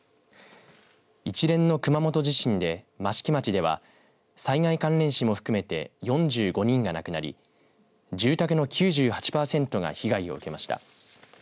一連の熊本地震で益城町では災害関連死も含めて４５人が亡くなり住宅の９８パーセントが被害を受けました。